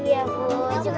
itu juga sama